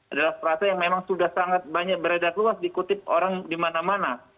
adalah perasa yang memang sudah sangat banyak beredar luas dikutip orang di mana mana